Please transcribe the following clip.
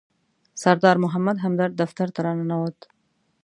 سردار محمد همدرد دفتر ته راننوت.